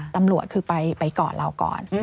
ตำรวจคือไปกอดเราก่อน